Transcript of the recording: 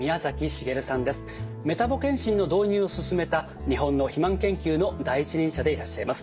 メタボ健診の導入を進めた日本の肥満研究の第一人者でいらっしゃいます。